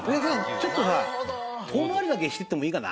ちょっとさ遠回りだけしてってもいいかな？